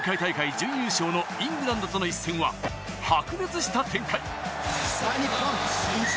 前回大会、準優勝のイングランドとの一戦は白熱した展開。